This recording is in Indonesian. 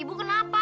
ibu ibu kenapa